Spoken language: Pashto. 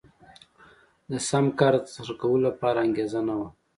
د سم کار د ترسره کولو لپاره انګېزه نه وه.